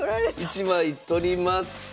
１枚取ります。